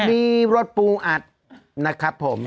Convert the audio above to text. มีรสปูอัดนะครับผม